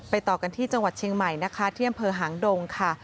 ต่อกันที่จังหวัดเชียงใหม่นะคะที่อำเภอหางดงค่ะ